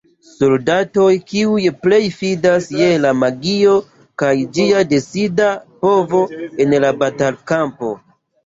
Soldatoj kiuj plej fidas je la magio kaj ĝia decida povo en la batal-kampo.